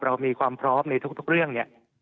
เรามีความพร้อมในทุกเรื่องเนี่ย